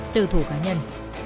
từ thủ cá nhân